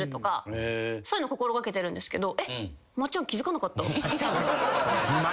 そういうの心がけてるんですけどえっ。